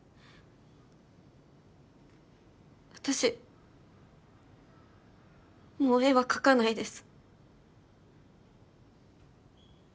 私もう絵は描かないです。